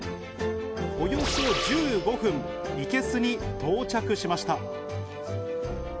およそ１５分、いけすに到着しました。